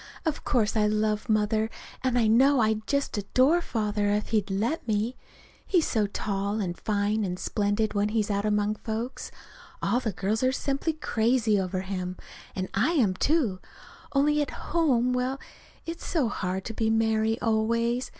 Of course I love Mother, and I know I'd just adore Father if he'd let me he's so tall and fine and splendid, when he's out among folks. All the girls are simply crazy over him. And I am, too. Only, at home well, it's so hard to be Mary always.